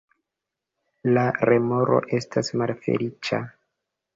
La remoro estas malfeliĉa.